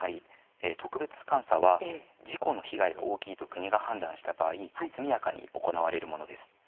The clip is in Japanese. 特別監査は事故の被害が大きいと国が判断した場合速やかに行われるものです。